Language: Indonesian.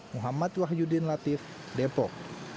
muhammad wahyudin latif depok